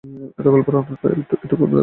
এতকাল পরে অন্তত এইটুকু দাবি করতে পারি।